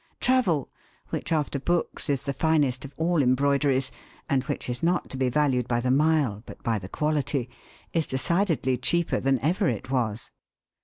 Travel, which after books is the finest of all embroideries (and which is not to be valued by the mile but by the quality), is decidedly cheaper than ever it was.